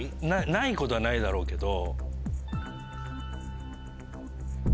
ないことはないだろうけど。